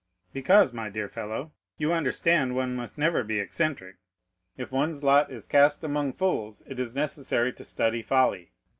"Because, my dear fellow, you understand one must never be eccentric. If one's lot is cast among fools, it is necessary to study folly.